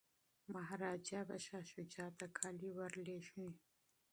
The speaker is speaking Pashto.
مهاراجا به شاه شجاع ته کالي ور لیږي.